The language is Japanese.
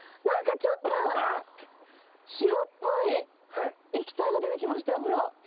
何かちょっと白っぽい液体が出てきましたよほら。